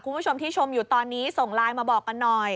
คุณผู้ชมที่ชมอยู่ตอนนี้ส่งไลน์มาบอกกันหน่อย